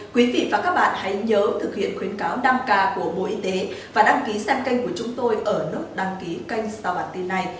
quý vị và các bạn hãy nhớ thực hiện khuyến cáo năm k của bộ y tế và đăng ký xem kênh của chúng tôi